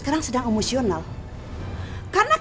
tidak tolong aku